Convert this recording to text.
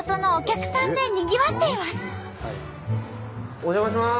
お邪魔します。